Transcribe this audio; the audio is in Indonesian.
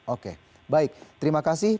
oke baik terima kasih